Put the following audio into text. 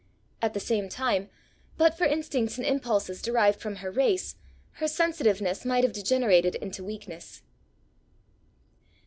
At the same time, but for instincts and impulses derived from her race, her sensitiveness might have degenerated into weakness.